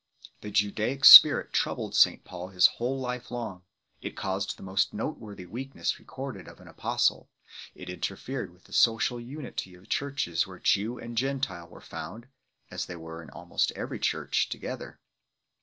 The Judaic spirit troubled St Paul his whole life long; it caused the most note worthy weakness recorded of an apostle 6 , it interfered with the social unity of churches where Jew and Gentile were found as. they were in almost every church together.